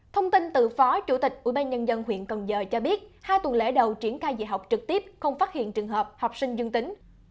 thông tin từ phó chủ tịch tp hcm cho biết hai tuần lễ đầu triển khai dạy học trực tiếp không phát hiện trường hợp học sinh dương tính